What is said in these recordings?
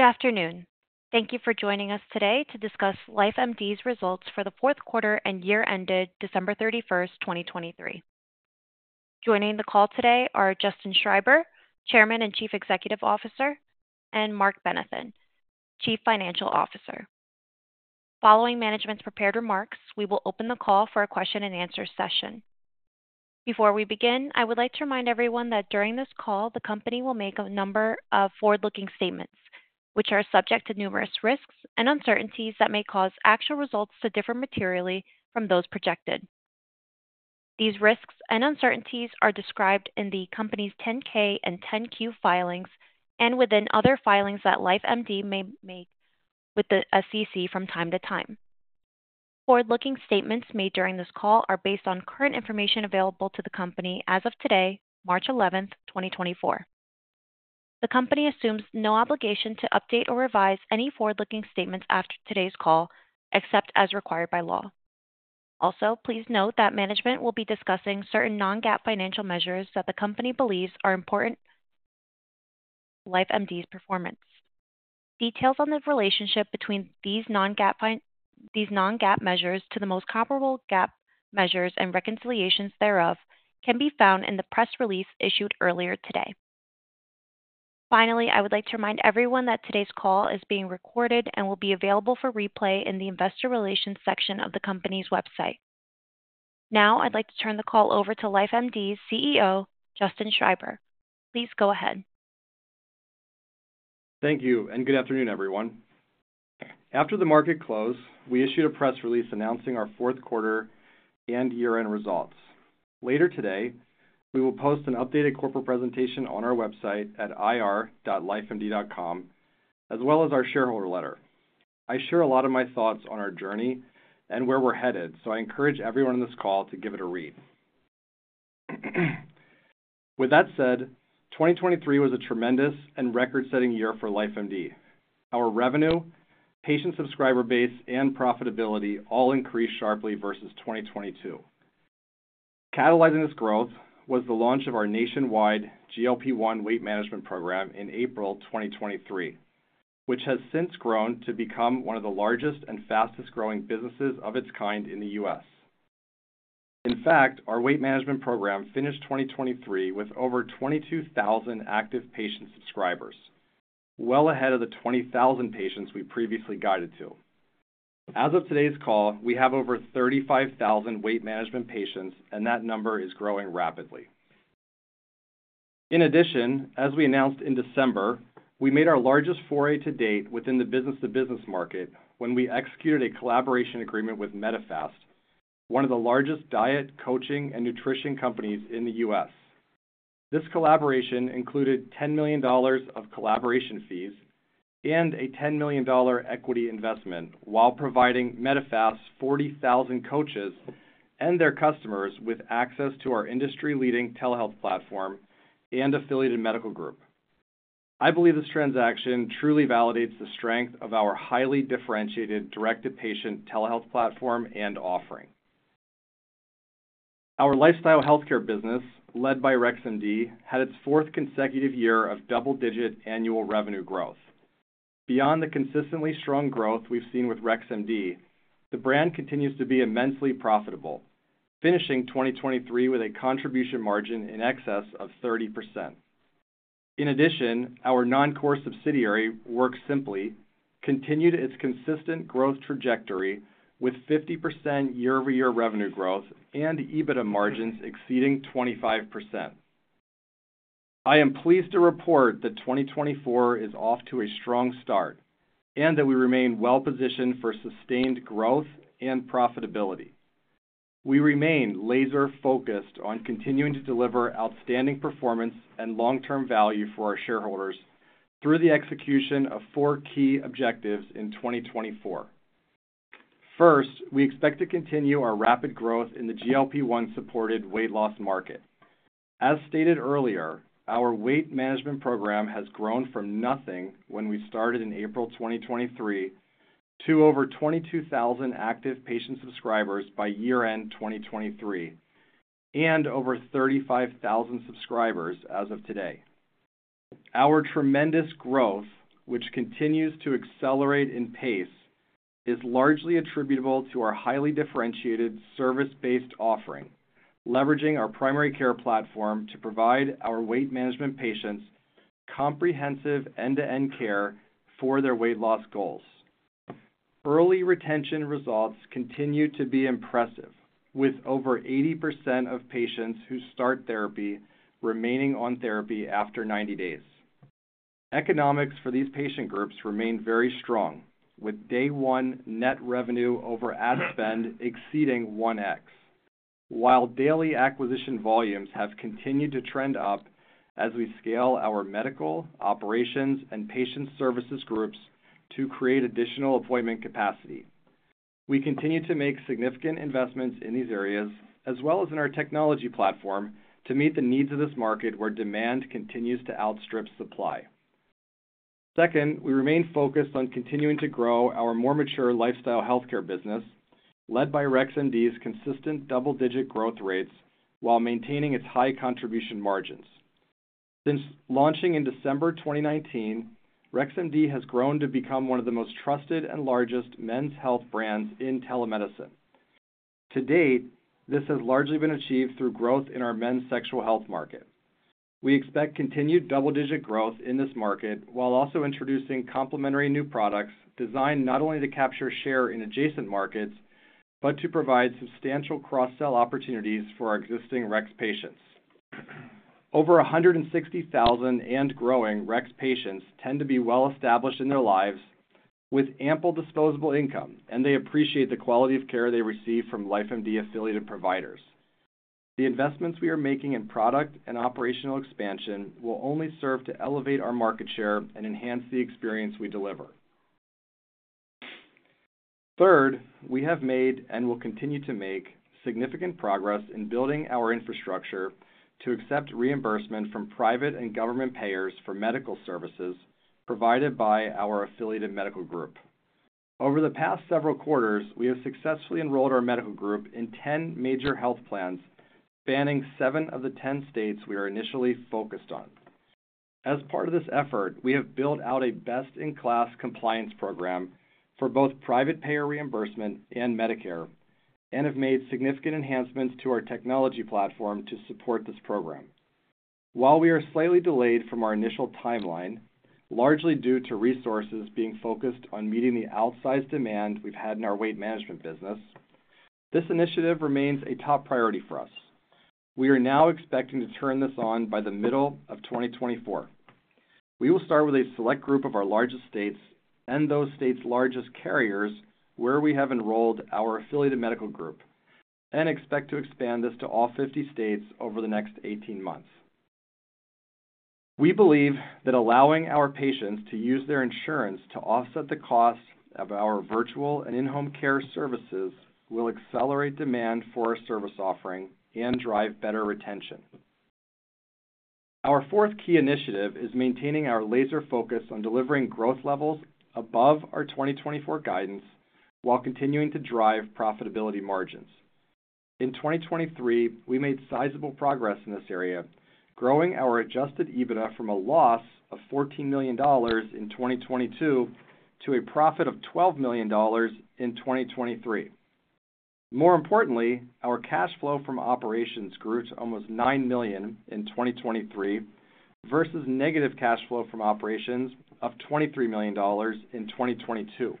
Good afternoon. Thank you for joining us today to discuss LifeMD's results for the fourth quarter and year ended December 31, 2023. Joining the call today are Justin Schreiber, Chairman and Chief Executive Officer, and Marc Benathen, Chief Financial Officer. Following management's prepared remarks, we will open the call for a question and answer session. Before we begin, I would like to remind everyone that during this call, the company will make a number of forward-looking statements, which are subject to numerous risks and uncertainties that may cause actual results to differ materially from those projected. These risks and uncertainties are described in the company's 10-K and 10-Q filings, and within other filings that LifeMD may make with the SEC from time to time. Forward-looking statements made during this call are based on current information available to the company as of today, March 11, 2024. The company assumes no obligation to update or revise any forward-looking statements after today's call, except as required by law. Also, please note that management will be discussing certain non-GAAP financial measures that the company believes are important to LifeMD's performance. Details on the relationship between these non-GAAP measures to the most comparable GAAP measures and reconciliations thereof can be found in the press release issued earlier today. Finally, I would like to remind everyone that today's call is being recorded and will be available for replay in the investor relations section of the company's website. Now, I'd like to turn the call over to LifeMD's CEO, Justin Schreiber. Please go ahead. Thank you, and good afternoon, everyone. After the market closed, we issued a press release announcing our fourth quarter and year-end results. Later today, we will post an updated corporate presentation on our website at ir.lifemd.com, as well as our shareholder letter. I share a lot of my thoughts on our journey and where we're headed, so I encourage everyone on this call to give it a read. With that said, 2023 was a tremendous and record-setting year for LifeMD. Our revenue, patient subscriber base, and profitability all increased sharply versus 2022. Catalyzing this growth was the launch of our nationwide GLP-1 weight management program in April 2023, which has since grown to become one of the largest and fastest growing businesses of its kind in the U.S. In fact, our weight management program finished 2023 with over 22,000 active patient subscribers, well ahead of the 20,000 patients we previously guided to. As of today's call, we have over 35,000 weight management patients, and that number is growing rapidly. In addition, as we announced in December, we made our largest foray to date within the business-to-business market when we executed a collaboration agreement with Medifast, one of the largest diet, coaching, and nutrition companies in the U.S. This collaboration included $10 million of collaboration fees and a $10 million equity investment, while providing Medifast's 40,000 coaches and their customers with access to our industry-leading telehealth platform and affiliated medical group. I believe this transaction truly validates the strength of our highly differentiated, direct-to-patient telehealth platform and offering. Our lifestyle healthcare business, led by Rex MD, had its fourth consecutive year of double-digit annual revenue growth. Beyond the consistently strong growth we've seen with Rex MD, the brand continues to be immensely profitable, finishing 2023 with a contribution margin in excess of 30%. In addition, our non-core subsidiary, WorkSimpli, continued its consistent growth trajectory with 50% year-over-year revenue growth and EBITDA margins exceeding 25%. I am pleased to report that 2024 is off to a strong start and that we remain well-positioned for sustained growth and profitability. We remain laser-focused on continuing to deliver outstanding performance and long-term value for our shareholders through the execution of four key objectives in 2024. First, we expect to continue our rapid growth in the GLP-1 supported weight loss market. As stated earlier, our weight management program has grown from nothing when we started in April 2023, to over 22,000 active patient subscribers by year-end 2023, and over 35,000 subscribers as of today. Our tremendous growth, which continues to accelerate in pace, is largely attributable to our highly differentiated service-based offering, leveraging our primary care platform to provide our weight management patients comprehensive end-to-end care for their weight loss goals. Early retention results continue to be impressive, with over 80% of patients who start therapy remaining on therapy after 90 days. Economics for these patient groups remain very strong, with day one net revenue over ad spend exceeding 1x, while daily acquisition volumes have continued to trend up as we scale our medical, operations, and patient services groups to create additional appointment capacity. We continue to make significant investments in these areas, as well as in our technology platform, to meet the needs of this market, where demand continues to outstrip supply. Second, we remain focused on continuing to grow our more mature lifestyle healthcare business led by Rex MD's consistent double-digit growth rates, while maintaining its high contribution margins. Since launching in December 2019, Rex MD has grown to become one of the most trusted and largest men's health brands in telemedicine. To date, this has largely been achieved through growth in our men's sexual health market. We expect continued double-digit growth in this market, while also introducing complementary new products designed not only to capture share in adjacent markets, but to provide substantial cross-sell opportunities for our existing Rex patients. Over 160,000, and growing, Rex patients tend to be well-established in their lives with ample disposable income, and they appreciate the quality of care they receive from LifeMD affiliated providers. The investments we are making in product and operational expansion will only serve to elevate our market share and enhance the experience we deliver. Third, we have made, and will continue to make, significant progress in building our infrastructure to accept reimbursement from private and government payers for medical services provided by our affiliated medical group. Over the past several quarters, we have successfully enrolled our medical group in 10 major health plans, spanning seven of the 10 states we are initially focused on. As part of this effort, we have built out a best-in-class compliance program for both private payer reimbursement and Medicare, and have made significant enhancements to our technology platform to support this program. While we are slightly delayed from our initial timeline, largely due to resources being focused on meeting the outsized demand we've had in our weight management business, this initiative remains a top priority for us. We are now expecting to turn this on by the middle of 2024. We will start with a select group of our largest states and those states' largest carriers, where we have enrolled our affiliated medical group, and expect to expand this to all 50 states over the next 18 months. We believe that allowing our patients to use their insurance to offset the costs of our virtual and in-home care services will accelerate demand for our service offering and drive better retention. Our fourth key initiative is maintaining our laser focus on delivering growth levels above our 2024 guidance, while continuing to drive profitability margins. In 2023, we made sizable progress in this area, growing our Adjusted EBITDA from a loss of $14 million in 2022 to a profit of $12 million in 2023. More importantly, our cash flow from operations grew to almost $9 million in 2023, versus negative cash flow from operations of $23 million in 2022.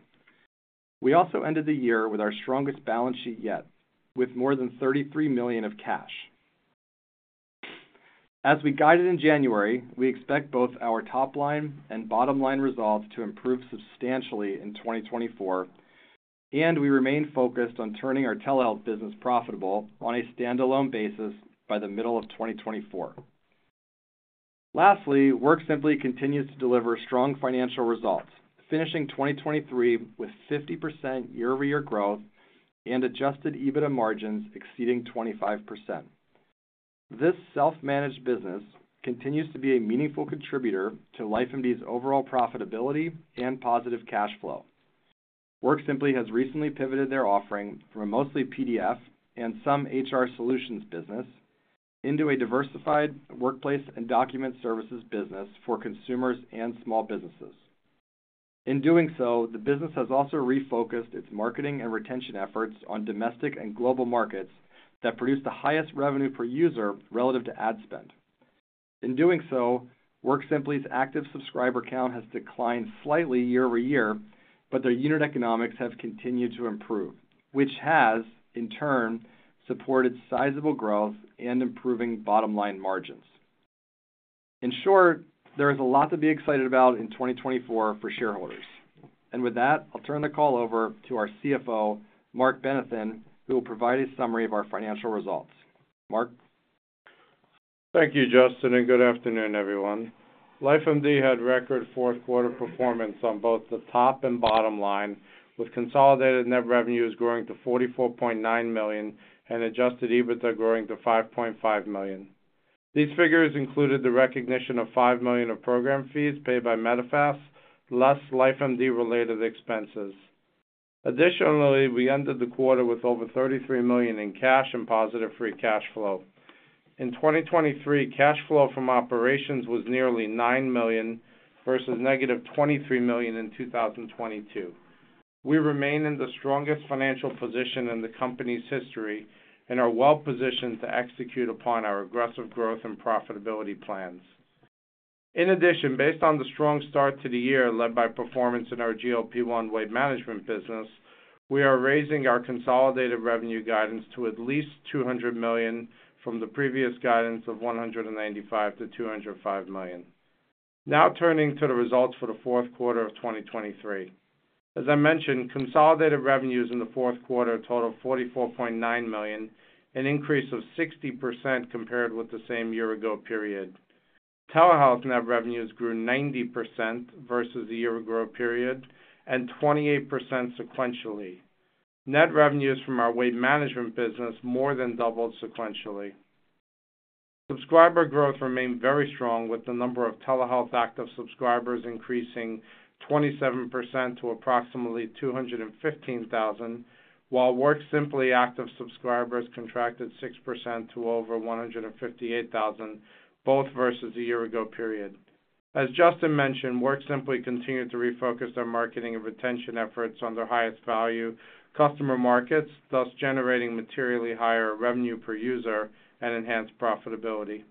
We also ended the year with our strongest balance sheet yet, with more than $33 million of cash. As we guided in January, we expect both our top line and bottom line results to improve substantially in 2024, and we remain focused on turning our telehealth business profitable on a standalone basis by the middle of 2024. Lastly, WorkSimpli continues to deliver strong financial results, finishing 2023 with 50% year-over-year growth and adjusted EBITDA margins exceeding 25%. This self-managed business continues to be a meaningful contributor to LifeMD's overall profitability and positive cash flow. WorkSimpli has recently pivoted their offering from a mostly PDF and some HR solutions business into a diversified workplace and document services business for consumers and small businesses. In doing so, the business has also refocused its marketing and retention efforts on domestic and global markets that produce the highest revenue per user relative to ad spend. In doing so, WorkSimpli's active subscriber count has declined slightly year over year, but their unit economics have continued to improve, which has, in turn, supported sizable growth and improving bottom-line margins. In short, there is a lot to be excited about in 2024 for shareholders. And with that, I'll turn the call over to our CFO, Marc Benathen, who will provide a summary of our financial results. Marc? Thank you, Justin, and good afternoon, everyone. LifeMD had record fourth quarter performance on both the top and bottom line, with consolidated net revenues growing to $44.9 million and Adjusted EBITDA growing to $5.5 million. These figures included the recognition of $5 million of program fees paid by Medifast, less LifeMD related expenses. Additionally, we ended the quarter with over $33 million in cash and positive free cash flow. In 2023, cash flow from operations was nearly $9 million, versus negative $23 million in 2022. We remain in the strongest financial position in the company's history and are well positioned to execute upon our aggressive growth and profitability plans. In addition, based on the strong start to the year, led by performance in our GLP-1 weight management business, we are raising our consolidated revenue guidance to at least $200 million from the previous guidance of $195 million-$205 million. Now turning to the results for the fourth quarter of 2023. As I mentioned, consolidated revenues in the fourth quarter totaled $44.9 million, an increase of 60% compared with the same year ago period. Telehealth net revenues grew 90% versus the year ago period and 28% sequentially. Net revenues from our weight management business more than doubled sequentially.... Subscriber growth remained very strong, with the number of telehealth active subscribers increasing 27% to approximately 215,000, while WorkSimpli active subscribers contracted 6% to over 158,000, both versus a year-ago period. As Justin mentioned, WorkSimpli continued to refocus their marketing and retention efforts on their highest value customer markets, thus generating materially higher revenue per user and enhanced profitability.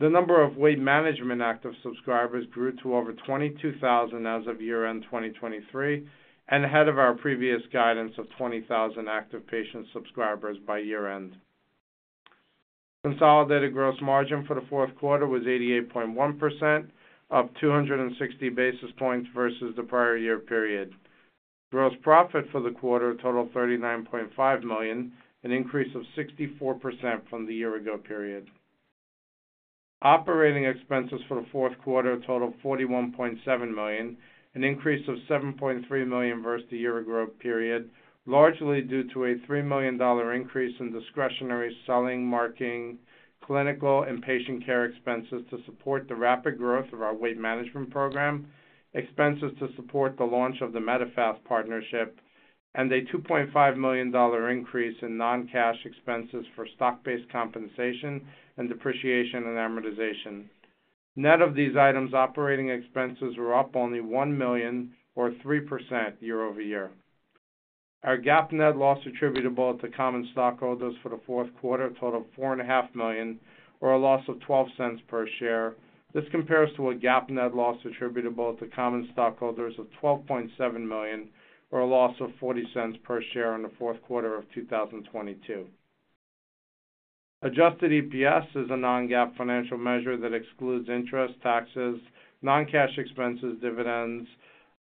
The number of Weight Management active subscribers grew to over 22,000 as of year-end 2023, and ahead of our previous guidance of 20,000 active patient subscribers by year-end. Consolidated gross margin for the fourth quarter was 88.1%, up 260 basis points versus the prior year-ago period. Gross profit for the quarter totaled $39.5 million, an increase of 64% from the year-ago period. Operating expenses for the fourth quarter totaled $41.7 million, an increase of $7.3 million versus the year ago period, largely due to a $3 million increase in discretionary selling, marketing, clinical and patient care expenses to support the rapid growth of our weight management program, expenses to support the launch of the Medifast partnership, and a $2.5 million increase in non-cash expenses for stock-based compensation and depreciation and amortization. Net of these items, operating expenses were up only $1 million or 3% year-over-year. Our GAAP net loss attributable to common stockholders for the fourth quarter totaled $4.5 million, or a loss of $0.12 per share. This compares to a GAAP net loss attributable to common stockholders of $12.7 million, or a loss of $0.40 per share in the fourth quarter of 2022. Adjusted EPS is a non-GAAP financial measure that excludes interest, taxes, non-cash expenses, dividends,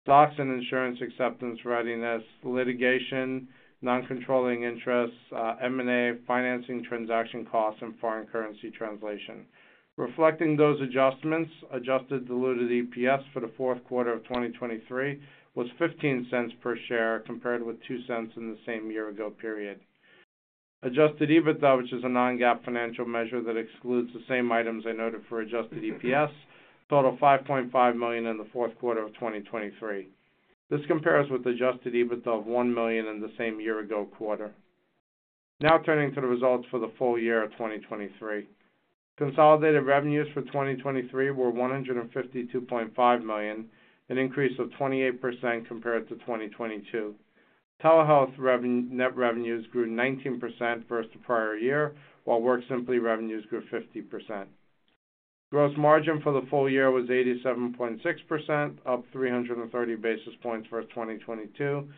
stocks and insurance acceptance, readiness, litigation, non-controlling interests, M&A, financing, transaction costs, and foreign currency translation. Reflecting those adjustments, adjusted diluted EPS for the fourth quarter of 2023 was $0.15 per share, compared with $0.02 in the same year ago period. Adjusted EBITDA, which is a non-GAAP financial measure that excludes the same items I noted for adjusted EPS, totaled $5.5 million in the fourth quarter of 2023. This compares with adjusted EBITDA of $1 million in the same year ago quarter. Now turning to the results for the full year of 2023. Consolidated revenues for 2023 were $152.5 million, an increase of 28% compared to 2022. Telehealth net revenues grew 19% versus the prior year, while WorkSimpli revenues grew 50%. Gross margin for the full year was 87.6%, up 330 basis points versus 2022.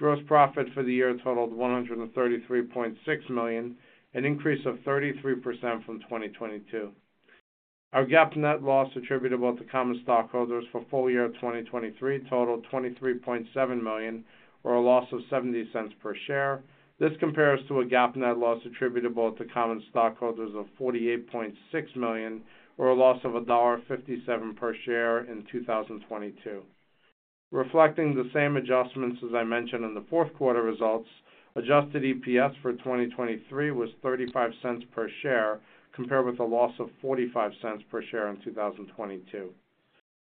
Gross profit for the year totaled $133.6 million, an increase of 33% from 2022. Our GAAP net loss attributable to common stockholders for full year 2023 totaled $23.7 million, or a loss of $0.70 per share. This compares to a GAAP net loss attributable to common stockholders of $48.6 million, or a loss of $1.57 per share in 2022. Reflecting the same adjustments as I mentioned in the fourth quarter results, adjusted EPS for 2023 was $0.35 per share, compared with a loss of $0.45 per share in 2022.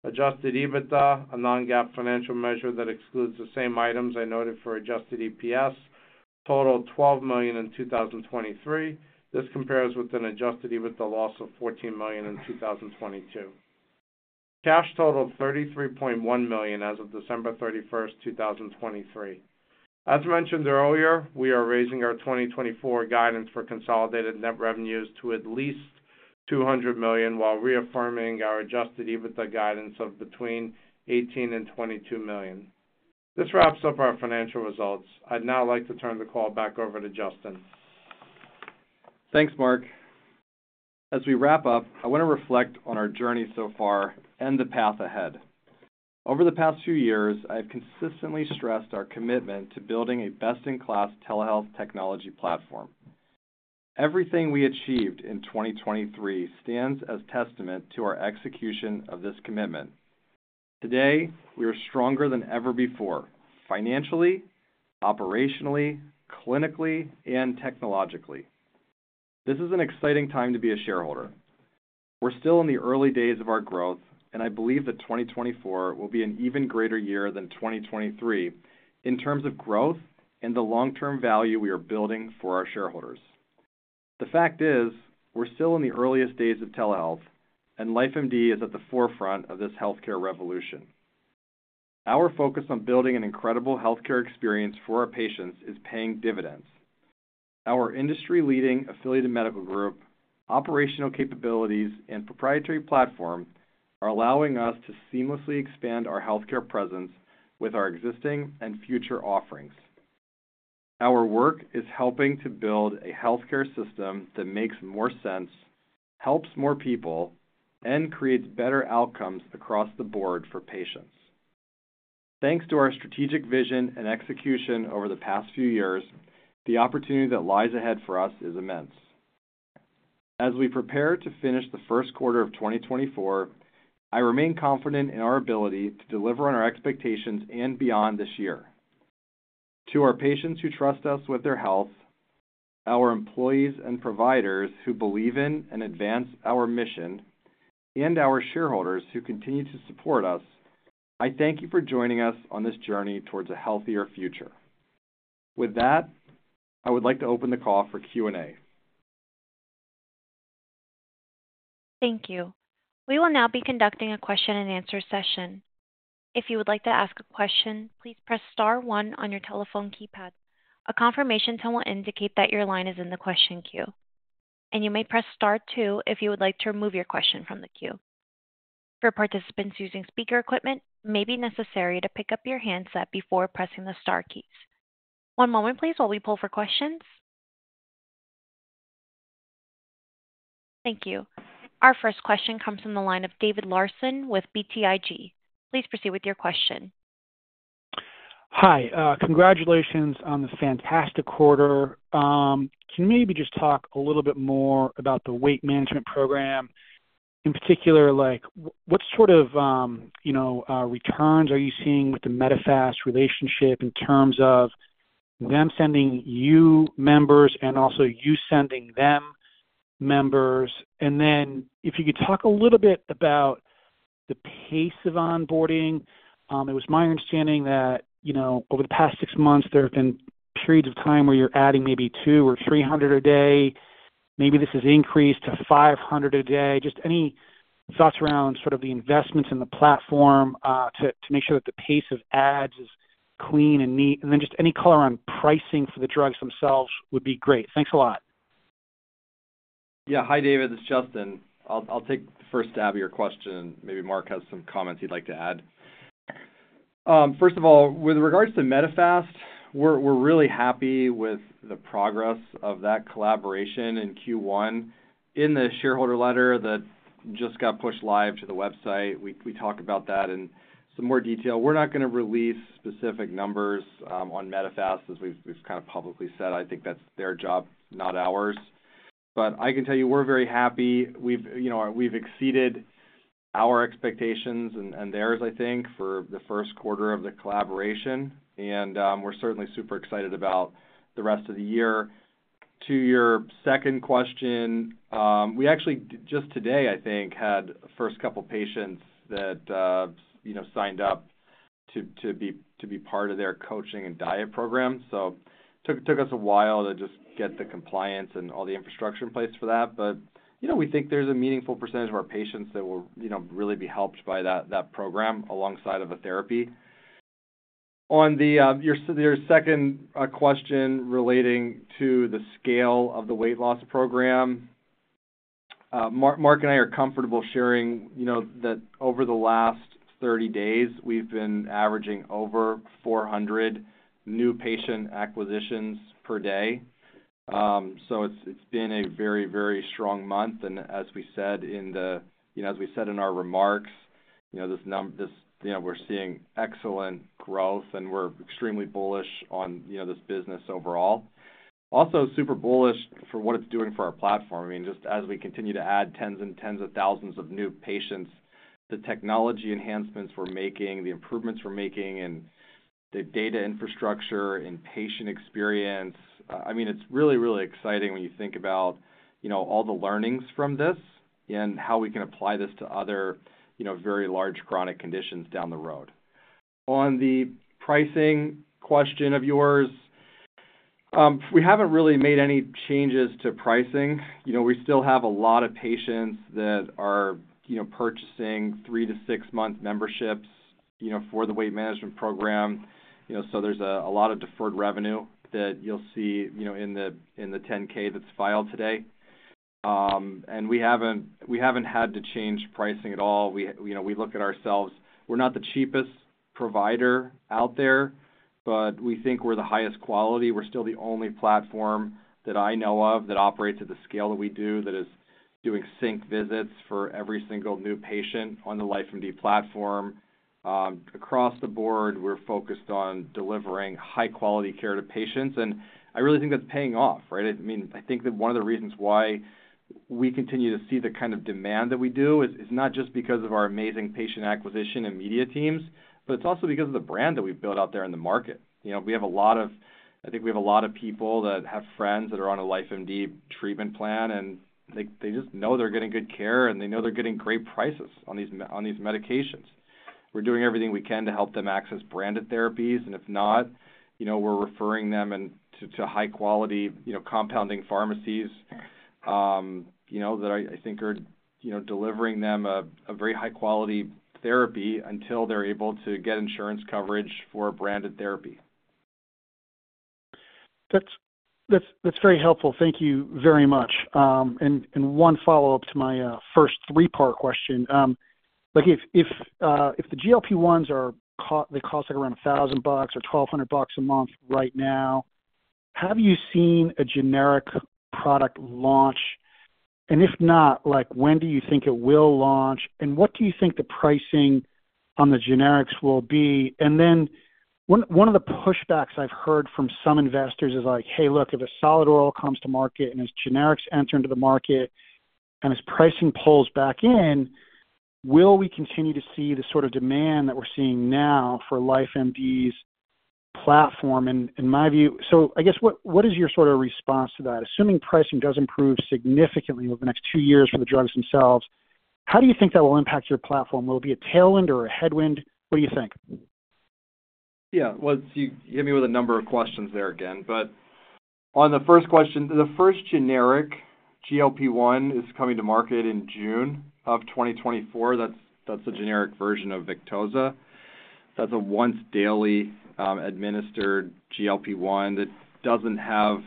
Adjusted EBITDA, a non-GAAP financial measure that excludes the same items I noted for adjusted EPS, totaled $12 million in 2023. This compares with an adjusted EBITDA loss of $14 million in 2022. Cash totaled $33.1 million as of December 31, 2023. As mentioned earlier, we are raising our 2024 guidance for consolidated net revenues to at least $200 million, while reaffirming our adjusted EBITDA guidance of between $18 million and $22 million. This wraps up our financial results. I'd now like to turn the call back over to Justin. Thanks, Marc. As we wrap up, I want to reflect on our journey so far and the path ahead. Over the past few years, I've consistently stressed our commitment to building a best-in-class telehealth technology platform. Everything we achieved in 2023 stands as testament to our execution of this commitment. Today, we are stronger than ever before, financially, operationally, clinically, and technologically. This is an exciting time to be a shareholder. We're still in the early days of our growth, and I believe that 2024 will be an even greater year than 2023 in terms of growth and the long-term value we are building for our shareholders. The fact is, we're still in the earliest days of telehealth, and LifeMD is at the forefront of this healthcare revolution. Our focus on building an incredible healthcare experience for our patients is paying dividends. Our industry-leading affiliated medical group, operational capabilities, and proprietary platform are allowing us to seamlessly expand our healthcare presence with our existing and future offerings. Our work is helping to build a healthcare system that makes more sense, helps more people, and creates better outcomes across the board for patients. Thanks to our strategic vision and execution over the past few years, the opportunity that lies ahead for us is immense. As we prepare to finish the first quarter of 2024, I remain confident in our ability to deliver on our expectations and beyond this year. To our patients who trust us with their health, our employees and providers who believe in and advance our mission, and our shareholders who continue to support us, I thank you for joining us on this journey towards a healthier future. With that, I would like to open the call for Q&A. Thank you. We will now be conducting a question and answer session. If you would like to ask a question, please press star one on your telephone keypad. A confirmation tone will indicate that your line is in the question queue, and you may press star two if you would like to remove your question from the queue. For participants using speaker equipment, it may be necessary to pick up your handset before pressing the star keys. One moment, please, while we poll for questions. Thank you. Our first question comes from the line of David Larsen with BTIG. Please proceed with your question. Hi, congratulations on this fantastic quarter. Can you maybe just talk a little bit more about the weight management program, in particular, like what sort of, you know, returns are you seeing with the Medifast relationship in terms of them sending you members and also you sending them members? And then if you could talk a little bit about the pace of onboarding. It was my understanding that, you know, over the past six months, there have been periods of time where you're adding maybe 200 or 300 a day. Maybe this has increased to 500 a day. Just any thoughts around sort of the investments in the platform, to make sure that the pace of ads is clean and neat. And then just any color on pricing for the drugs themselves would be great. Thanks a lot. Yeah. Hi, David, it's Justin. I'll take the first stab of your question. Maybe Marc has some comments he'd like to add. First of all, with regards to Medifast, we're, we're really happy with the progress of that collaboration in Q1. In the shareholder letter that just got pushed live to the website, we, we talk about that in some more detail. We're not going to release specific numbers on Medifast, as we've, we've kind of publicly said. I think that's their job, not ours. But I can tell you we're very happy. We've, you know, we've exceeded our expectations and, and theirs, I think, for the first quarter of the collaboration, and we're certainly super excited about the rest of the year. To your second question, we actually, just today, I think, had the first couple of patients that, you know, signed up to be part of their coaching and diet program. So it took us a while to just get the compliance and all the infrastructure in place for that. But, you know, we think there's a meaningful percentage of our patients that will, you know, really be helped by that program alongside of a therapy. On your second question relating to the scale of the weight loss program, Marc and I are comfortable sharing, you know, that over the last 30 days, we've been averaging over 400 new patient acquisitions per day. So it's been a very, very strong month. And as we said in the, you know, as we said in our remarks, you know, this, you know, we're seeing excellent growth, and we're extremely bullish on, you know, this business overall. Also super bullish for what it's doing for our platform. I mean, just as we continue to add tens and tens of thousands of new patients, the technology enhancements we're making, the improvements we're making in the data infrastructure, in patient experience, I mean, it's really, really exciting when you think about, you know, all the learnings from this and how we can apply this to other, you know, very large chronic conditions down the road. On the pricing question of yours, we haven't really made any changes to pricing. You know, we still have a lot of patients that are, you know, purchasing three to six month memberships, you know, for the weight management program. You know, so there's a lot of deferred revenue that you'll see, you know, in the 10-K that's filed today. And we haven't had to change pricing at all. You know, we look at ourselves. We're not the cheapest provider out there, but we think we're the highest quality. We're still the only platform that I know of that operates at the scale that we do, that is doing sync visits for every single new patient on the LifeMD platform. Across the board, we're focused on delivering high-quality care to patients, and I really think that's paying off, right? I mean, I think that one of the reasons why we continue to see the kind of demand that we do is not just because of our amazing patient acquisition and media teams, but it's also because of the brand that we've built out there in the market. You know, we have a lot of. I think we have a lot of people that have friends that are on a LifeMD treatment plan, and they, they just know they're getting good care, and they know they're getting great prices on these, on these medications. We're doing everything we can to help them access branded therapies, and if not, you know, we're referring them to high quality, you know, compounding pharmacies, you know, that I think are, you know, delivering them a very high-quality therapy until they're able to get insurance coverage for a branded therapy. That's very helpful. Thank you very much. And one follow-up to my first three-part question. Like, if the GLP-1s cost, like, around $1,000 or $1,200 a month right now, have you seen a generic product launch? And if not, like, when do you think it will launch, and what do you think the pricing on the generics will be? And then one of the pushbacks I've heard from some investors is like, "Hey, look, if a semaglutide comes to market and as generics enter into the market, and as pricing pulls back in, will we continue to see the sort of demand that we're seeing now for LifeMD's platform?" In my view. So I guess, what is your sort of response to that? Assuming pricing does improve significantly over the next two years for the drugs themselves, how do you think that will impact your platform? Will it be a tailwind or a headwind? What do you think? Yeah, well, you hit me with a number of questions there again, but on the first question, the first generic GLP-1 is coming to market in June 2024. That's the generic version of Victoza. That's a once-daily administered GLP-1 that doesn't have.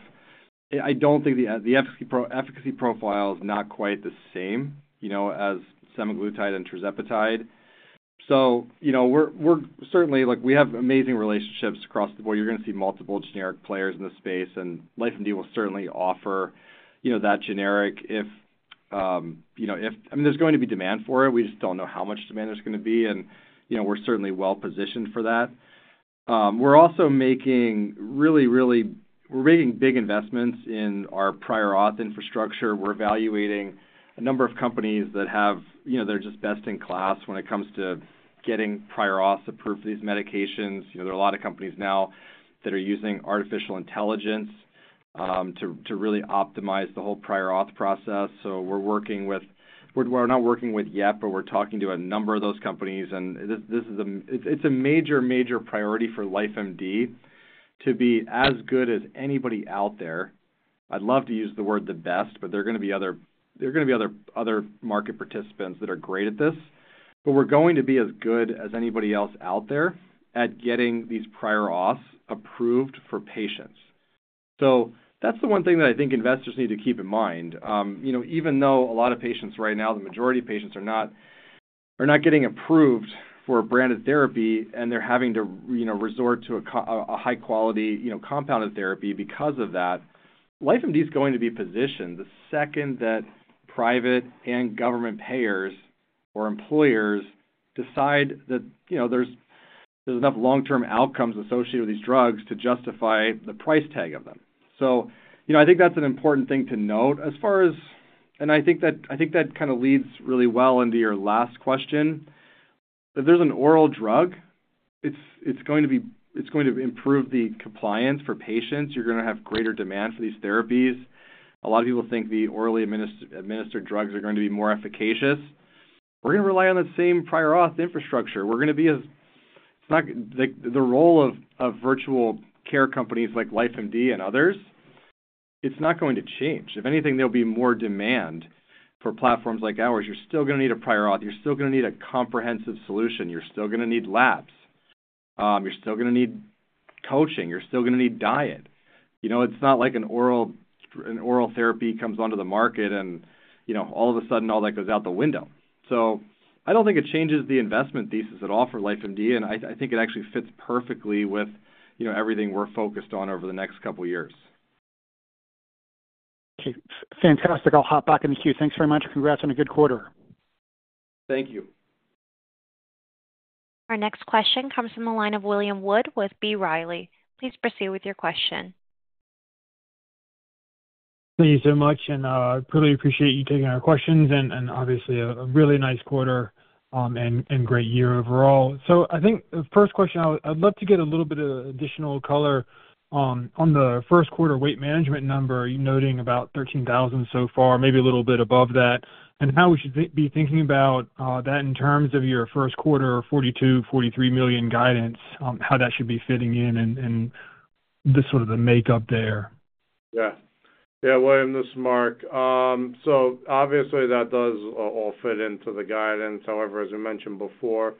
I don't think the efficacy profile is not quite the same, you know, as semaglutide and tirzepatide. So you know, we're certainly. Look, we have amazing relationships across the board. You're going to see multiple generic players in the space, and LifeMD will certainly offer, you know, that generic if, you know, if. I mean, there's going to be demand for it. We just don't know how much demand there's going to be, and, you know, we're certainly well positioned for that. We're also making really, really. We're making big investments in our prior auth infrastructure. We're evaluating a number of companies that have, you know, they're just best in class when it comes to getting prior auth to approve these medications. You know, there are a lot of companies now that are using artificial intelligence to really optimize the whole prior auth process. So we're working with, we're not working with yet, but we're talking to a number of those companies, and this is a major, major priority for LifeMD to be as good as anybody out there. I'd love to use the word the best, but there are going to be other market participants that are great at this. But we're going to be as good as anybody else out there at getting these prior auth approved for patients. So that's the one thing that I think investors need to keep in mind. You know, even though a lot of patients right now, the majority of patients are not getting approved for a branded therapy, and they're having to, you know, resort to a high quality, you know, compounded therapy because of that. LifeMD is going to be positioned the second that private and government payers or employers decide that, you know, there's enough long-term outcomes associated with these drugs to justify the price tag of them. So, you know, I think that's an important thing to note. And I think that kind of leads really well into your last question. If there's an oral drug, it's going to improve the compliance for patients. You're going to have greater demand for these therapies. A lot of people think the orally administered drugs are going to be more efficacious. We're going to rely on the same prior auth infrastructure. It's not like the role of virtual care companies like LifeMD and others, it's not going to change. If anything, there'll be more demand for platforms like ours. You're still going to need a prior auth. You're still going to need a comprehensive solution. You're still going to need labs. You're still going to need coaching. You're still going to need diet. You know, it's not like an oral therapy comes onto the market and, you know, all of a sudden, all that goes out the window. So I don't think it changes the investment thesis at all for LifeMD, and I, I think it actually fits perfectly with, you know, everything we're focused on over the next couple of years. Okay, fantastic. I'll hop back in the queue. Thanks very much, and congrats on a good quarter. Thank you. Our next question comes from the line of William Wood with B. Riley. Please proceed with your question. Thank you so much, and, I really appreciate you taking our questions and, and obviously a, a really nice quarter, and, and great year overall. So I think the first question, I'd love to get a little bit of additional color, on the first quarter weight management number. You're noting about 13,000 so far, maybe a little bit above that, and how we should be thinking about, that in terms of your first quarter, $42 million-$43 million guidance, how that should be fitting in and, and the sort of the makeup there? Yeah. Yeah, William, this is Marc. So obviously, that does all fit into the guidance. However, as I mentioned before,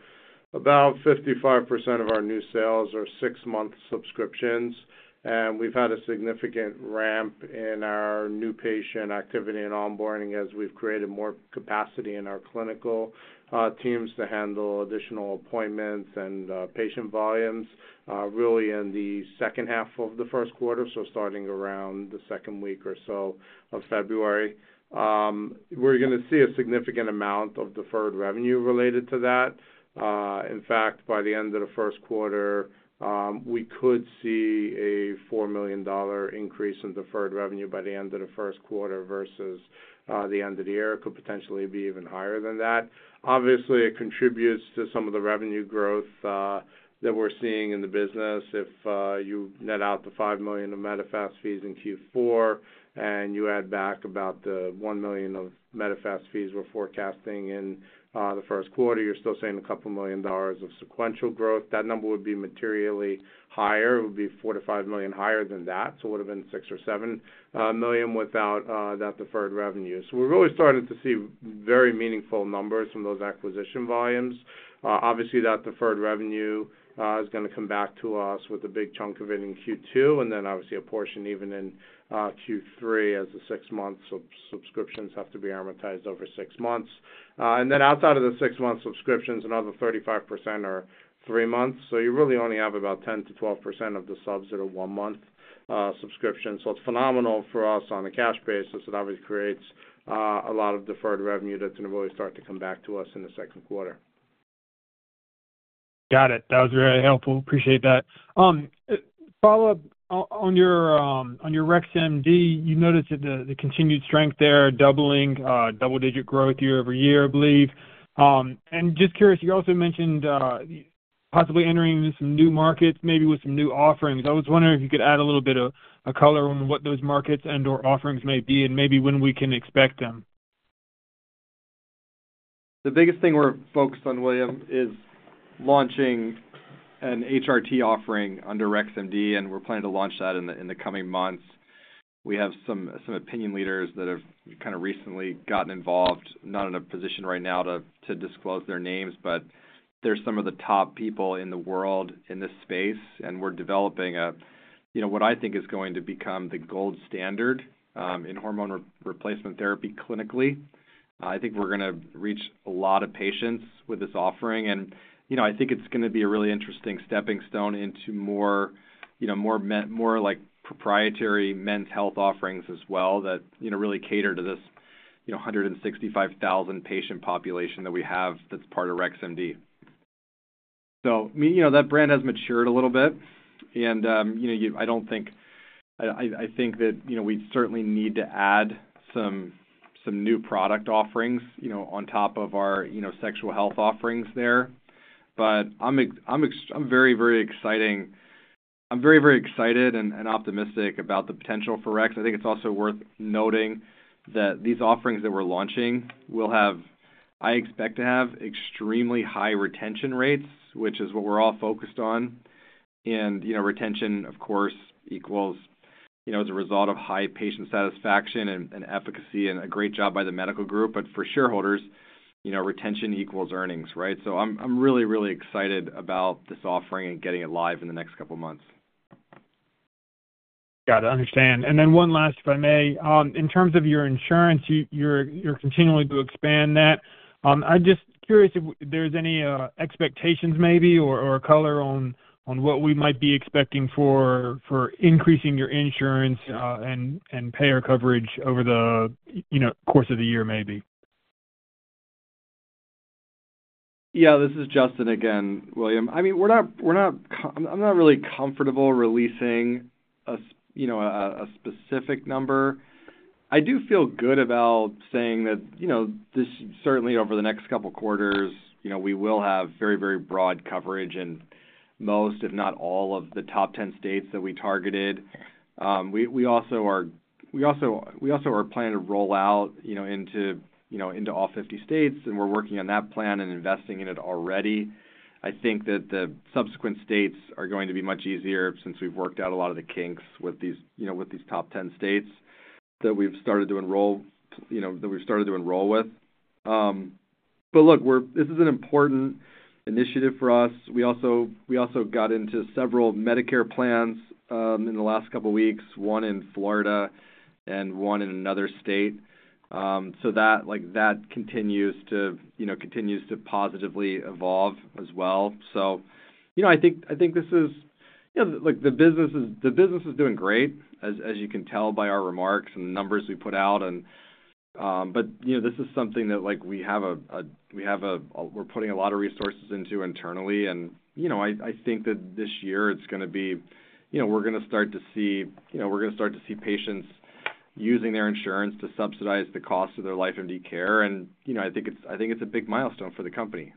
about 55% of our new sales are six-month subscriptions, and we've had a significant ramp in our new patient activity and onboarding as we've created more capacity in our clinical teams to handle additional appointments and patient volumes really in the second half of the first quarter, so starting around the second week or so of February. We're going to see a significant amount of deferred revenue related to that. In fact, by the end of the first quarter, we could see a $4 million increase in deferred revenue by the end of the first quarter versus the end of the year. It could potentially be even higher than that. Obviously, it contributes to some of the revenue growth that we're seeing in the business. If you net out the $5 million of Medifast fees in Q4, and you add back about the $1 million of Medifast fees we're forecasting in the first quarter, you're still seeing $2 million of sequential growth. That number would be materially higher. It would be $4 million-$5 million higher than that, so it would have been 6 or 7 million without that deferred revenue. So we're really starting to see very meaningful numbers from those acquisition volumes. Obviously that deferred revenue is going to come back to us with a big chunk of it in Q2, and then obviously a portion even in Q3, as the six-month subscriptions have to be amortized over six months. And then outside of the six-month subscriptions, another 35% are three months. So you really only have about 10%-12% of the subs that are one-month subscription. So it's phenomenal for us on a cash basis. It obviously creates a lot of deferred revenue that's going to really start to come back to us in the second quarter. Got it. That was very helpful. Appreciate that. Follow up on, on your, on your Rex MD, you noticed that the, the continued strength there, doubling, double-digit growth year over year, I believe. Just curious, you also mentioned, possibly entering into some new markets, maybe with some new offerings. I was wondering if you could add a little bit of a color on what those markets and or offerings may be, and maybe when we can expect them. The biggest thing we're focused on, William, is launching an HRT offering under Rex MD, and we're planning to launch that in the coming months. We have some opinion leaders that have kind of recently gotten involved. Not in a position right now to disclose their names, but they're some of the top people in the world in this space, and we're developing what I think is going to become the gold standard in hormone replacement therapy clinically. I think we're gonna reach a lot of patients with this offering and, you know, I think it's gonna be a really interesting stepping stone into more, you know, more like proprietary men's health offerings as well, that, you know, really cater to this 165,000 patient population that we have that's part of Rex MD. So, me, you know, that brand has matured a little bit, and, you know, I think that, you know, we certainly need to add some new product offerings, you know, on top of our, you know, sexual health offerings there. But I'm very, very excited and optimistic about the potential for Rex. I think it's also worth noting that these offerings that we're launching will have, I expect to have, extremely high retention rates, which is what we're all focused on. And, you know, retention, of course, equals, you know, as a result of high patient satisfaction and efficacy and a great job by the medical group. But for shareholders, you know, retention equals earnings, right? So I'm really, really excited about this offering and getting it live in the next couple of months. Got it. Understand. And then one last, if I may. In terms of your insurance, you, you're continuing to expand that. I'm just curious if there's any expectations maybe, or color on what we might be expecting for increasing your insurance and payer coverage over the, you know, course of the year, maybe. Yeah, this is Justin again, William. I mean, I'm not really comfortable releasing a specific number. I do feel good about saying that, you know, this certainly over the next couple quarters, you know, we will have very, very broad coverage in most, if not all, of the top 10 states that we targeted. We also are planning to roll out, you know, into all 50 states, and we're working on that plan and investing in it already. I think that the subsequent states are going to be much easier since we've worked out a lot of the kinks with these top 10 states that we've started to enroll with. But look, this is an important initiative for us. We also got into several Medicare plans in the last couple of weeks, one in Florida and one in another state. So that, like, continues to, you know, positively evolve as well. So, you know, I think this is, you know, like, the business is doing great, as you can tell by our remarks and the numbers we put out and, but, you know, this is something that, like, we have a, we're putting a lot of resources into internally and, you know, I think that this year it's gonna be, you know, we're gonna start to see patients using their insurance to subsidize the cost of their LifeMD care. You know, I think it's a big milestone for the company.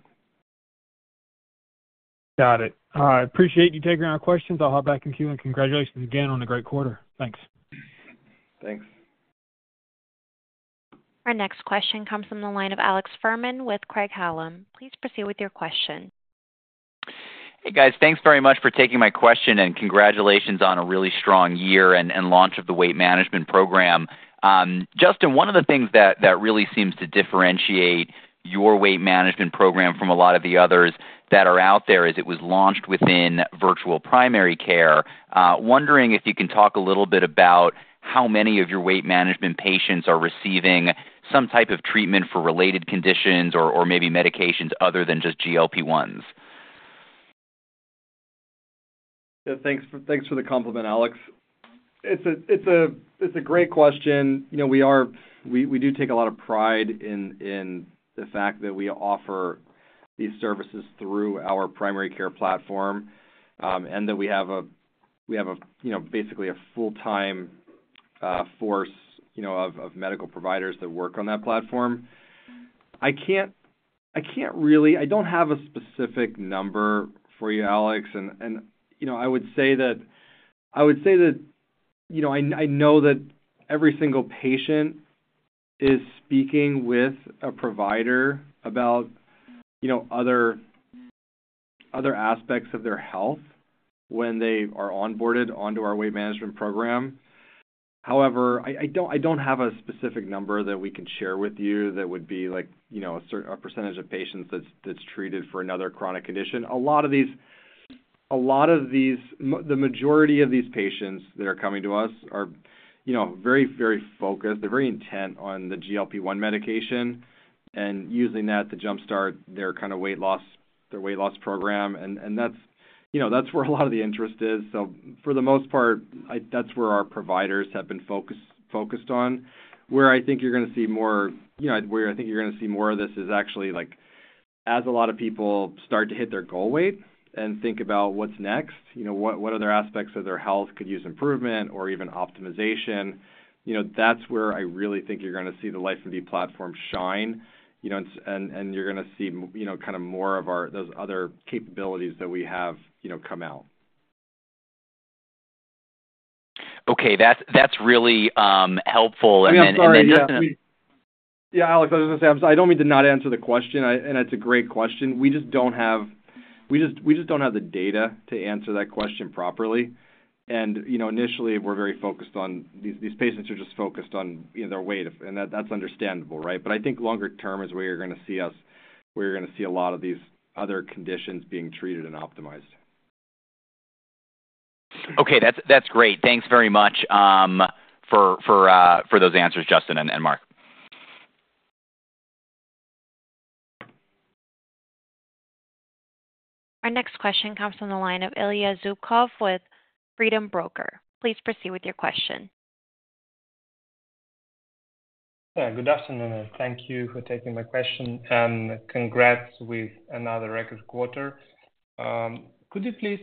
Got it. All right, appreciate you taking our questions. I'll hop back into you, and congratulations again on a great quarter. Thanks. Thanks. Our next question comes from the line of Alex Fuhrman with Craig-Hallum. Please proceed with your question. Hey, guys. Thanks very much for taking my question, and congratulations on a really strong year and, and launch of the weight management program. Justin, one of the things that, that really seems to differentiate your weight management program from a lot of the others that are out there, is it was launched within virtual primary care. Wondering if you can talk a little bit about how many of your weight management patients are receiving some type of treatment for related conditions or, or maybe medications other than just GLP-1s. Yeah, thanks, thanks for the compliment, Alex. It's a great question. You know, we do take a lot of pride in the fact that we offer these services through our primary care platform, and that we have a, you know, basically a full-time force, you know, of medical providers that work on that platform. I can't really. I don't have a specific number for you, Alex. And, you know, I would say that, you know, I know that every single patient is speaking with a provider about, you know, other aspects of their health when they are onboarded onto our weight management program. However, I don't have a specific number that we can share with you that would be like, you know, a percentage of patients that's treated for another chronic condition. The majority of these patients that are coming to us are, you know, very, very focused. They're very intent on the GLP-1 medication and using that to jumpstart their kind of weight loss, their weight loss program. And that's... You know, that's where a lot of the interest is. So for the most part, that's where our providers have been focused on. Where I think you're gonna see more, you know, where I think you're gonna see more of this is actually like, as a lot of people start to hit their goal weight and think about what's next, you know, what, what other aspects of their health could use improvement or even optimization? You know, that's where I really think you're gonna see the LifeMD platform shine, you know, and, and you're gonna see, you know, kind of more of our, those other capabilities that we have, you know, come out. Okay, that's, that's really helpful. Yeah, I'm sorry. And then, yeah. Yeah, Alex, I was gonna say, I don't mean to not answer the question, I, and it's a great question. We just don't have, we just, we just don't have the data to answer that question properly. And, you know, initially, we're very focused on, these, these patients are just focused on, you know, their weight, and that's understandable, right? But I think longer term is where you're gonna see us, where you're gonna see a lot of these other conditions being treated and optimized. Okay, that's great. Thanks very much for those answers, Justin and Marc. Our next question comes from the line of Ilya Zubkov with Freedom Broker. Please proceed with your question. Hi, good afternoon, and thank you for taking my question, and congrats with another record quarter. Could you please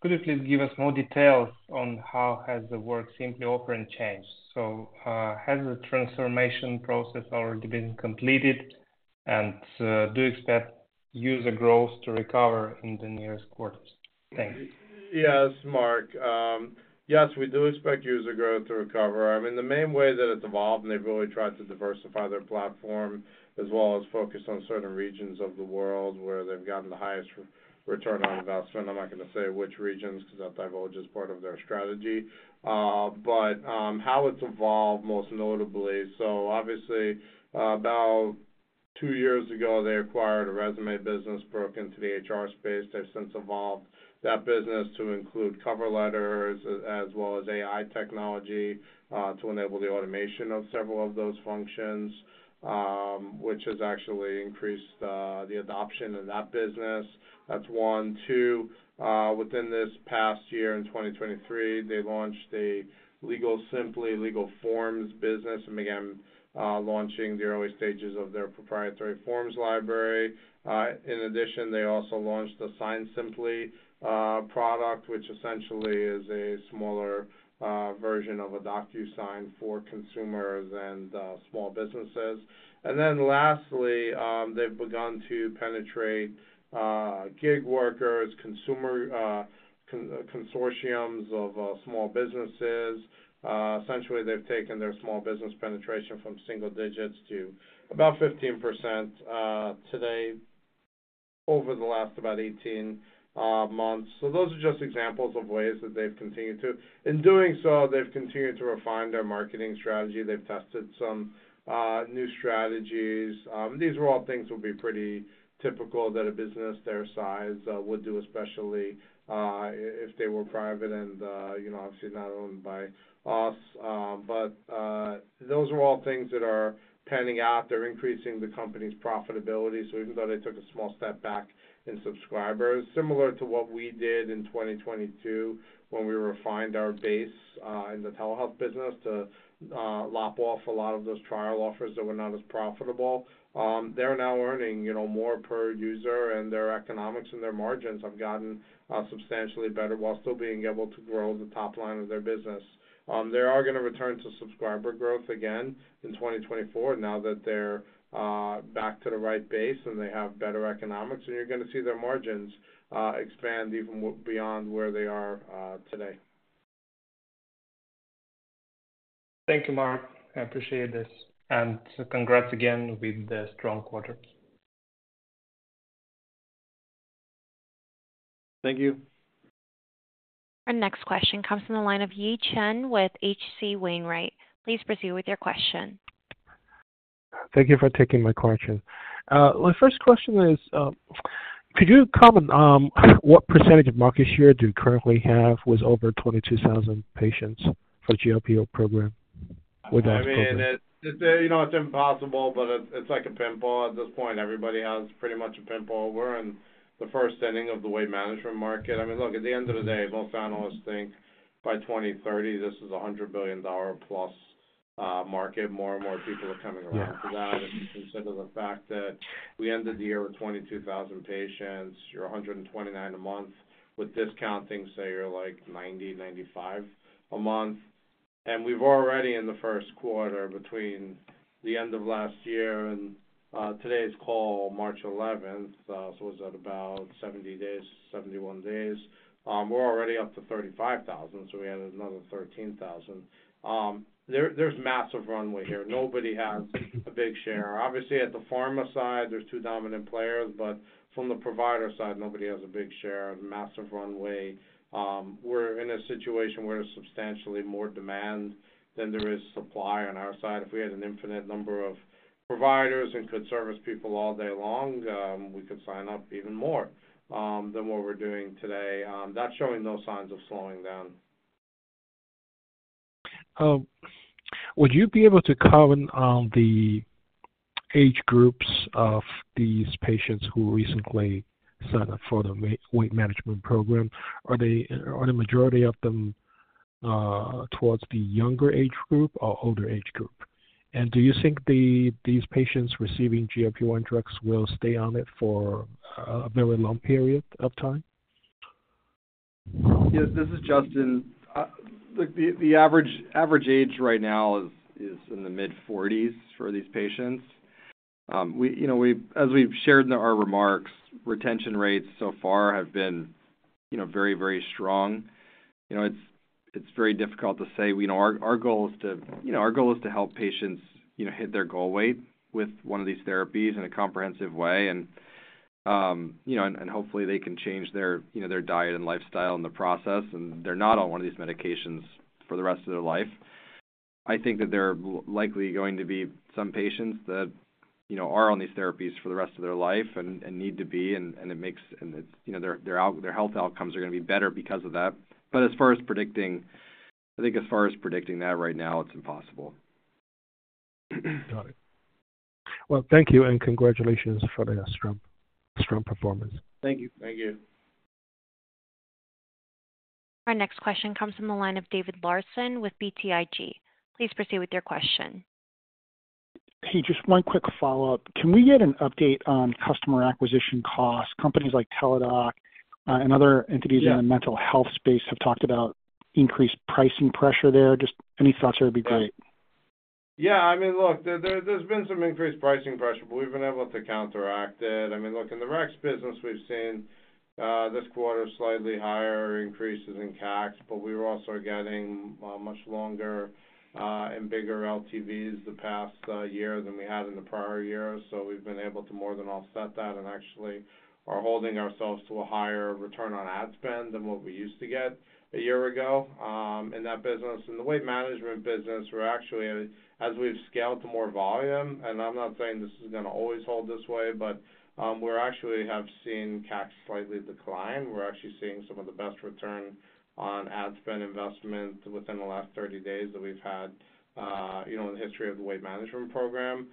give us more details on how has the WorkSimpli operating changed? So, has the transformation process already been completed? And, do you expect user growth to recover in the nearest quarters? Thanks. Yes, Marc. Yes, we do expect user growth to recover. I mean, the main way that it's evolved, and they've really tried to diversify their platform, as well as focus on certain regions of the world where they've gotten the highest return on investment. I'm not gonna say which regions, because that divulges part of their strategy. But, how it's evolved, most notably, so obviously, about 2 years ago, they acquired a resume business, broke into the HR space. They've since evolved that business to include cover letters, as well as AI technology, to enable the automation of several of those functions, which has actually increased the adoption in that business. That's one. Two, within this past year, in 2023, they launched a LegalSimpli legal forms business, and again, launching the early stages of their proprietary forms library. In addition, they also launched the SignSimpli product, which essentially is a smaller version of a DocuSign for consumers and small businesses. And then lastly, they've begun to penetrate gig workers, consumer consortiums of small businesses. Essentially, they've taken their small business penetration from single digits to about 15% today over the last about 18 months. So those are just examples of ways that they've continued to. In doing so, they've continued to refine their marketing strategy. They've tested some new strategies. These are all things will be pretty typical that a business their size would do, especially if they were private and you know, obviously not owned by us. But those are all things that are panning out. They're increasing the company's profitability. So even though they took a small step back in subscribers, similar to what we did in 2022, when we refined our base in the telehealth business to lop off a lot of those trial offers that were not as profitable, they're now earning, you know, more per user, and their economics and their margins have gotten substantially better while still being able to grow the top line of their business. They are gonna return to subscriber growth again in 2024, now that they're back to the right base, and they have better economics, and you're gonna see their margins expand even more beyond where they are today. Thank you, Marc. I appreciate this. Congrats again with the strong quarter. Thank you. Our next question comes from the line of Yi Chen with HC Wainwright. Please proceed with your question. Thank you for taking my question. My first question is, could you comment on what percentage of market share do you currently have with over 22,000 patients for the GLP-1 program? I mean, it, you know, it's impossible, but it's like a pinball at this point. Everybody has pretty much a pinball. We're in the first inning of the weight management market. I mean, look, at the end of the day, most analysts think by 2030, this is a $100 billion+ market. More and more people are coming around to that. If you consider the fact that we ended the year with 22,000 patients, you're 129 a month. With discounting, say, you're like 90, 95 a month. And we've already in the first quarter between the end of last year and today's call, March eleventh, so it's at about 70 days, 71 days, we're already up to 35,000, so we added another 13,000. There's massive runway here. Nobody has a big share. Obviously, at the pharma side, there's two dominant players, but from the provider side, nobody has a big share, a massive runway. We're in a situation where there's substantially more demand than there is supply on our side. If we had an infinite number of providers and could service people all day long, we could sign up even more than what we're doing today. That's showing no signs of slowing down. Would you be able to comment on the age groups of these patients who recently signed up for the weight management program? Are they, are the majority of them, towards the younger age group or older age group? And do you think these patients receiving GLP-1 drugs will stay on it for a very long period of time? Yes, this is Justin. The average age right now is in the mid-forties for these patients. We, you know, we've, as we've shared in our remarks, retention rates so far have been, you know, very, very strong. You know, it's very difficult to say. We know our goal is to, you know, our goal is to help patients, you know, hit their goal weight with one of these therapies in a comprehensive way. And, you know, and hopefully they can change their, you know, their diet and lifestyle in the process, and they're not on one of these medications for the rest of their life. I think that there are likely going to be some patients that, you know, are on these therapies for the rest of their life and need to be, and it makes, it's, you know, their health outcomes are gonna be better because of that. But as far as predicting that right now, I think it's impossible. Got it. Well, thank you, and congratulations for the strong, strong performance. Thank you. Thank you. Our next question comes from the line of David Larsen with BTIG. Please proceed with your question. Hey, just one quick follow-up. Can we get an update on customer acquisition costs? Companies like Teladoc, and other entities. Yeah In the mental health space have talked about increased pricing pressure there. Just any thoughts there would be great? Yeah, I mean, look, there, there's been some increased pricing pressure, but we've been able to counteract it. I mean, look, in the Rex business, we've seen this quarter slightly higher increases in CAC, but we were also getting much longer and bigger LTVs the past year than we had in the prior years. So we've been able to more than offset that and actually are holding ourselves to a higher return on ad spend than what we used to get a year ago in that business. In the weight management business, we're actually, as we've scaled to more volume, and I'm not saying this is gonna always hold this way, but we're actually have seen CAC slightly decline. We're actually seeing some of the best return on ad spend investment within the last 30 days that we've had, you know, in the history of the weight management program.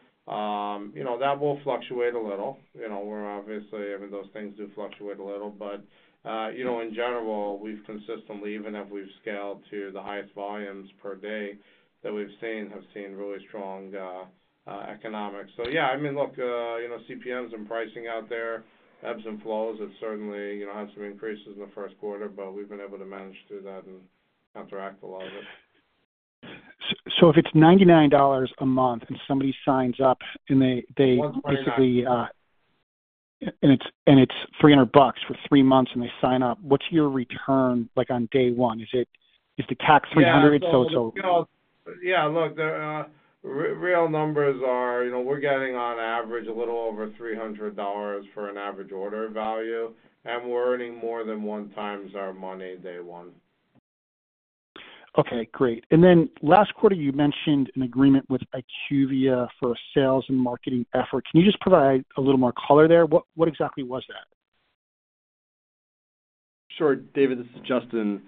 You know, that will fluctuate a little. You know, we're obviously, I mean, those things do fluctuate a little, but, you know, in general, we've consistently, even if we've scaled to the highest volumes per day that we've seen, have seen really strong economics. So yeah, I mean, look, you know, CPMs and pricing out there, ebbs and flows. It certainly, you know, had some increases in the first quarter, but we've been able to manage through that and counteract a lot of it. So if it's $99 a month, and somebody signs up. More than 99. Basically, it's $300 for 3 months, and they sign up, what's your return like on day one? Is it the CAC $300. Yeah. Look, the real numbers are, you know, we're getting on average a little over $300 for an average order value, and we're earning more than 1x our money day one. Okay, great. And then last quarter, you mentioned an agreement with IQVIA for sales and marketing efforts. Can you just provide a little more color there? What, what exactly was that? Sure, David, this is Justin.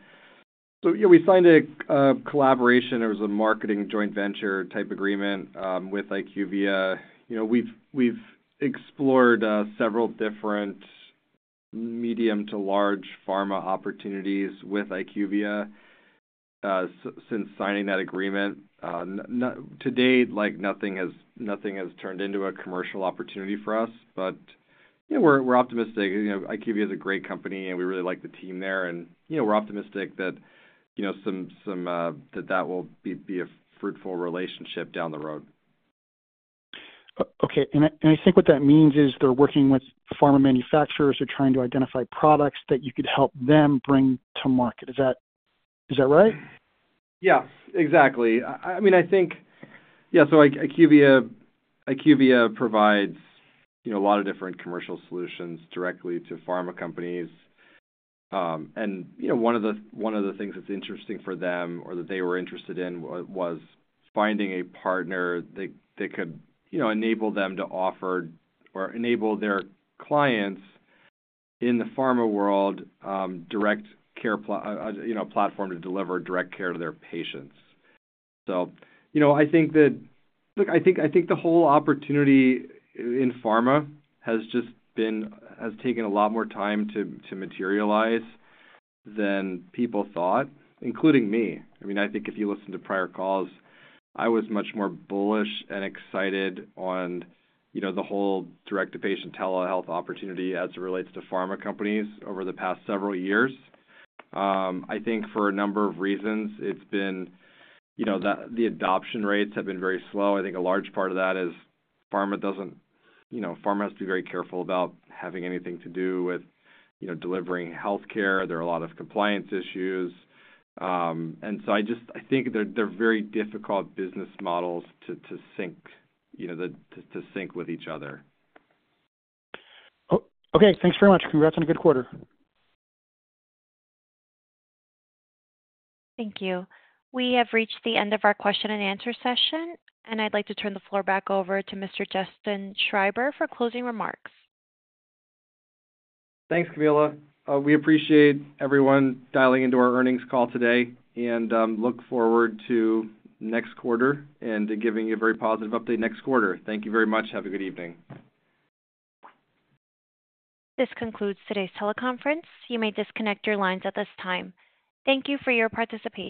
So yeah, we signed a collaboration. It was a marketing joint venture type agreement with IQVIA. You know, we've explored several different medium to large pharma opportunities with IQVIA since signing that agreement. To date, like, nothing has turned into a commercial opportunity for us, but yeah, we're optimistic. You know, IQVIA is a great company, and we really like the team there. And, you know, we're optimistic that, you know, some... That will be a fruitful relationship down the road. Okay, and I think what that means is they're working with pharma manufacturers. They're trying to identify products that you could help them bring to market. Is that right? Yeah, exactly. Yeah, IQVIA provides, you know, a lot of different commercial solutions directly to pharma companies. And, you know, one of the, one of the things that's interesting for them or that they were interested in was finding a partner that, that could, you know, enable them to offer or enable their clients in the pharma world, direct care platform to deliver direct care to their patients. So, you know, I think that. Look, I think the whole opportunity in pharma has just been taken a lot more time to materialize than people thought, including me. I mean, I think if you listen to prior calls, I was much more bullish and excited on, you know, the whole direct-to-patient telehealth opportunity as it relates to pharma companies over the past several years. I think for a number of reasons, it's been, you know, the adoption rates have been very slow. I think a large part of that is pharma doesn't. You know, pharma has to be very careful about having anything to do with, you know, delivering healthcare. There are a lot of compliance issues. And so I just, I think they're very difficult business models to sync, you know, to sync with each other. Okay, thanks very much. Congrats on a good quarter. Thank you. We have reached the end of our question and answer session, and I'd like to turn the floor back over to Mr. Justin Schreiber for closing remarks. Thanks, Camila. We appreciate everyone dialing into our earnings call today and look forward to next quarter and to giving you a very positive update next quarter. Thank you very much. Have a good evening. This concludes today's teleconference. You may disconnect your lines at this time. Thank you for your participation.